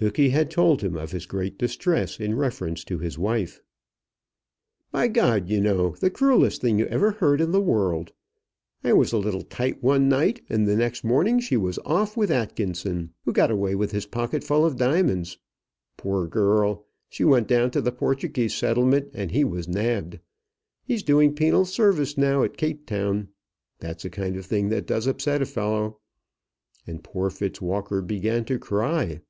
Tookey had told him of his great distress in reference to his wife. "By G ! you know, the cruellest thing you ever heard in the world. I was a little tight one night, and the next morning she was off with Atkinson, who got away with his pocket full of diamonds. Poor girl! she went down to the Portuguese settlement, and he was nabbed. He's doing penal service now down at Cape Town. That's a kind of thing that does upset a fellow." And poor Fitzwalker began to cry.